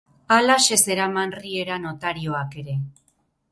Halaxe zeraman Riera notarioak ere.